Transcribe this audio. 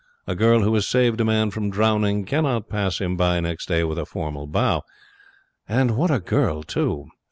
A girl who has saved a man from drowning cannot pass him by next day with a formal bow. And what a girl, too!